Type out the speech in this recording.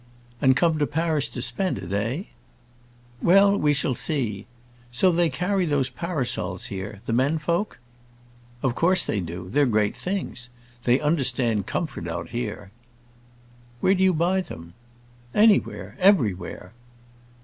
"And come to Paris to spend it, eh?" "Well, we shall see. So they carry those parasols here—the men folk?" "Of course they do. They're great things. They understand comfort out here." "Where do you buy them?" "Anywhere, everywhere."